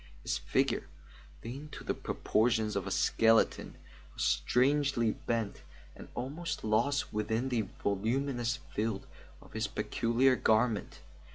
His figure, lean to the proportions of a skeleton, was strangely bent and almost lost within the voluminous folds of his peculiar garment.